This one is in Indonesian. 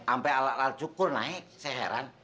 sampai alat alat cukur naik saya heran